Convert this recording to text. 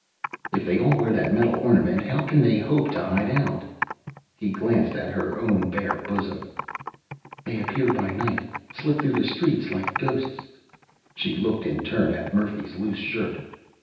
"If they all wear that metal ornament, how can they hope to hide out?" He glanced at her own bare bosom. "They appear by night slip through the streets like ghosts...." She looked in turn at Murphy's loose shirt.